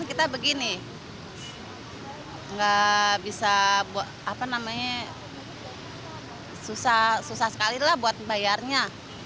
kita begini nggak bisa apa namanya susah sekali lah buat bayarnya